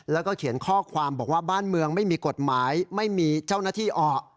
แล้วก็เขียนข้อความบอกว่าบ้านเมืองไม่มีกฎหมายไม่มีเจ้าหน้าที่ออก